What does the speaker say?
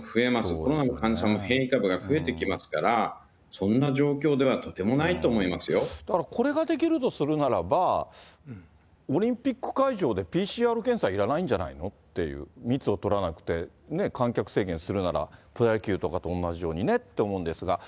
コロナの患者さんも変異株が増えてきますから、そんな状況ではとだからこれができるとするならば、オリンピック会場でＰＣＲ検査いらないんじゃないのっていう、密を取らなくて、観客席にするなら、プロ野球とかと同じようにねって思うんですが。